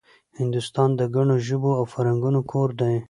هندوستان د ګڼو ژبو او فرهنګونو کور دی